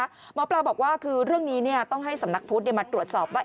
หมอปลาบอกว่าคือเรื่องนี้ต้องให้สำนักพุทธมาตรวจสอบว่า